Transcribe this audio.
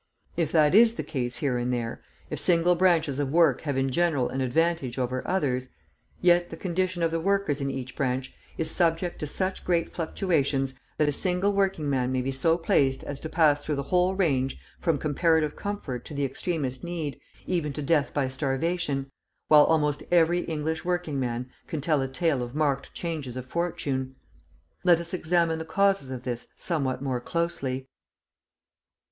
If that is the case here and there, if single branches of work have in general an advantage over others, yet the condition of the workers in each branch is subject to such great fluctuations that a single working man may be so placed as to pass through the whole range from comparative comfort to the extremest need, even to death by starvation, while almost every English working man can tell a tale of marked changes of fortune. Let us examine the causes of this somewhat more closely.